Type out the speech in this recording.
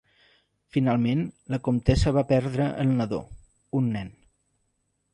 Finalment, la comtessa va perdre el nadó; un nen.